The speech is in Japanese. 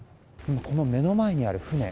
目の前にある船